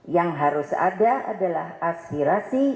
yang harus ada adalah aspirasi